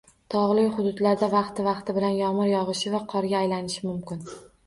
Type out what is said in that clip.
Togʻli hududlarda vaqti-vaqti bilan yomgʻir yogʻishi va qorga aylanishi mumkin.